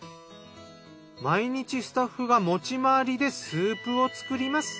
毎日スタッフが持ち回りでスープを作ります。